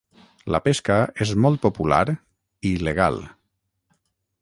La pesca és molt popular i legal.